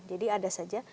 jadi ada saja